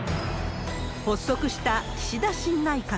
発足した岸田新内閣。